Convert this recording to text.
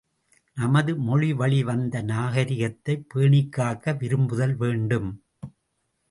நமது மொழிவழி வந்த நாகரிகத்தைப் பேணிக்காக்க விரும்புதல் வேண்டும்.